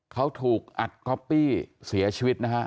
เขาถูกอัดก๊อปปี้เสียชีวิตนะฮะ